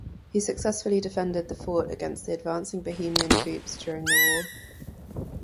He successfully defended the fort against the advancing Bohemian troops during the war.